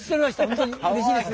本当にうれしいです。